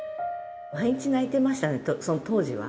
毎日泣いてましたね、その当時は。